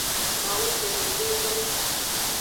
Mawumenuveve.